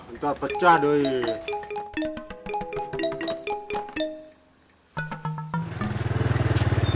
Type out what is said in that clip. ntar pecah dulu